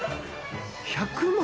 １００万？